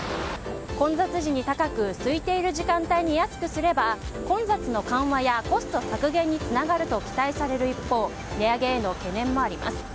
混雑時に高くすいている時間帯に安くすれば混雑の緩和やコスト削減につながると期待される一方値上げへの懸念もあります。